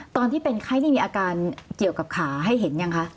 ตอนที่เป็นไข้นี่มีอาการเกี่ยวกับขาให้เห็นยังคะ